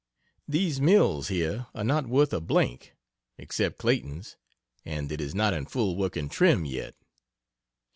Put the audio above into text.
These mills here are not worth a d n except Clayton's and it is not in full working trim yet.